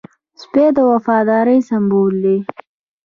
سپي د وفادارۍ سمبول دی.